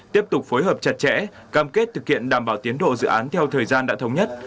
tiếp tục phối hợp chặt chẽ cam kết thực hiện đảm bảo tiến độ dự án theo thời gian đã thống nhất